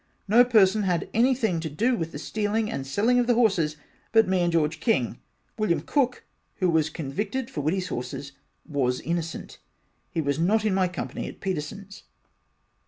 no person had anything to do with the stealing and selling of the horses but me and George King. William Cooke who was convicted for Whittys horses was innocent he was not in my company at Petersons.